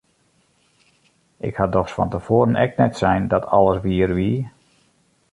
Ik ha dochs fan te foaren ek net sein dat alles wier wie!